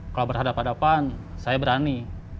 kalau berhadapan hadapan saya berani